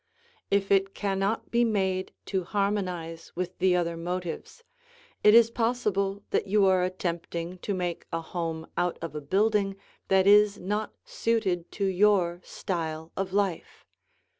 If it cannot be made to harmonize with the other motives, it is possible that you are attempting to make a home out of a building that is not suited to your style of life.